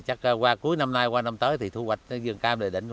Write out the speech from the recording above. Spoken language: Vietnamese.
chắc qua cuối năm nay qua năm tới thì thu hoạch dường cam đầy định